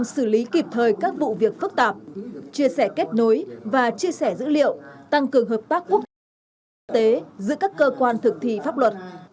xử lý kịp thời các vụ việc phức tạp chia sẻ kết nối và chia sẻ dữ liệu tăng cường hợp tác quốc tế giữa các cơ quan thực thị pháp luật